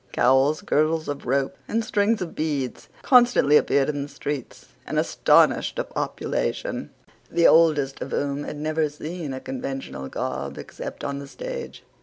Cowls, girdles of ropes, and strings of beads constantly appeared in the streets, and astonished a population, the oldest of whom had never seen a conventual garb except on the stage.